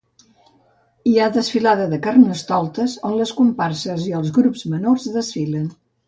Hi ha desfilada de carnestoltes on les comparses i grups menors desfilen.